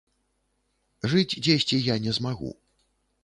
Жыць дзесьці я не змагу.